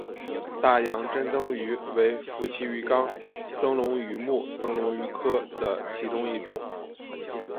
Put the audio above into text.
大洋珍灯鱼为辐鳍鱼纲灯笼鱼目灯笼鱼科的其中一种。